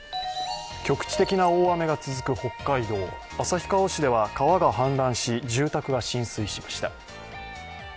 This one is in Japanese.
局地的な大雨となる北海道旭川市では、川が氾濫し、住宅が浸水しました。